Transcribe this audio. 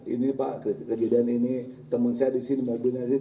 ini pak ridwan teman saya di sini teman saya di sini